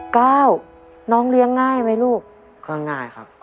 ก้าวน้องเลี้ยงง่ายไหมลูกก็ง่ายครับ